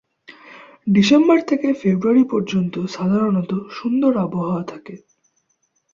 December থেকে February পর্যন্ত সাধারণত সুন্দর আবহাওয়া থাকে।